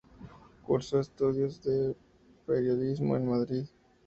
Cursó estudios de periodismo en Madrid.